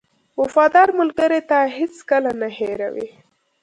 • وفادار ملګری تا هېڅکله نه هېروي.